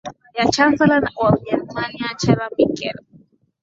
a chancellor wa ujerumani angela mickel